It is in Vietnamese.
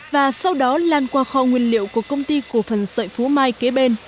và sau đó lan qua kho nguyên liệu của công ty cổ phần sợi phú mai kế bên